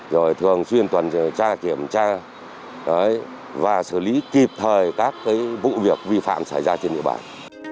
ra kiểm tra và xử lý kịp thời các vụ việc vi phạm xảy ra trên địa bàn